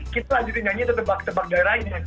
kita lanjutin nyanyinya tebak tebak daerah ini